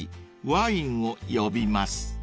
ワインを呼びます］